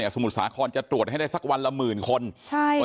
สมุทรสาครจะตรวจให้ได้สักวันละหมื่นคน